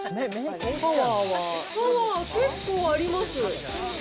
パワーは結構あります。